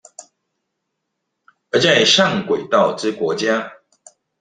而在上軌道之國家